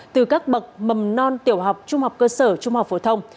từ các bậc mầm non tiểu học trung học cơ sở trung học phổ thông